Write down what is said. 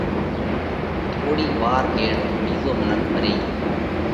ٿوڙِي وار ڪيڙ ٻِيزو منک مري ڳيو۔